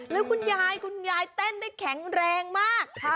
แล้วคุณยายคุณยายเต้นได้แข็งแรงมาก